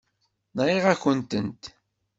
Nɣiɣ-ak-tent.